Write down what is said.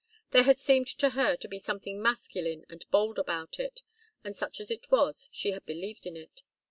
There had seemed to her to be something masculine and bold about it, and such as it was, she had believed in it.